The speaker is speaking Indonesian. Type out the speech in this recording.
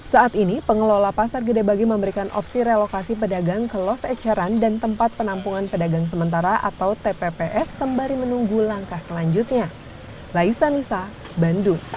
saat ini pengelola pasar gedebagi memberikan opsi relokasi pedagang ke los eceran dan tempat penampungan pedagang sementara atau tpps sembari menunggu langkah selanjutnya